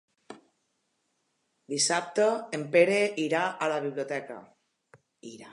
Dissabte en Pere irà a la biblioteca.